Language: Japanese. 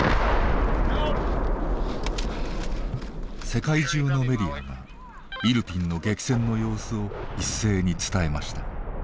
世界中のメディアがイルピンの激戦の様子を一斉に伝えました。